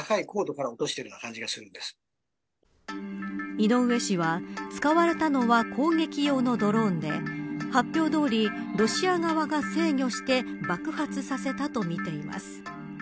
井上氏は使われたのは攻撃用のドローンで発表どおり、ロシア側が制御して爆発させたとみています。